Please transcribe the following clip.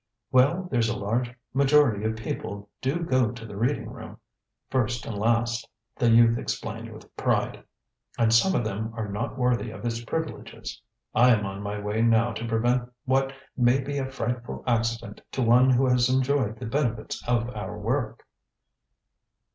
"Well, there's a large majority of people do go to the Reading room, first and last," the youth explained with pride. "And some of them are not worthy of its privileges. I am on my way now to prevent what may be a frightful accident to one who has enjoyed the benefits of our work."